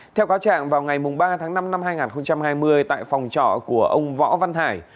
theo cáo trạng vào ngày ba tháng năm năm hai nghìn hai mươi tại phòng trọ của ông võ văn hải